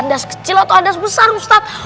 ada handas kecil atau handas besar ustadz